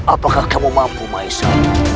apakah kamu mampu mahesa